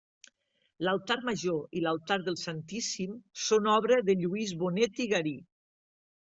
L'altar major i l'altar del Santíssim són obra de Lluís Bonet i Garí.